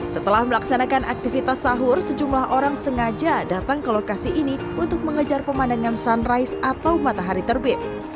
setelah melaksanakan aktivitas sahur sejumlah orang sengaja datang ke lokasi ini untuk mengejar pemandangan sunrise atau matahari terbit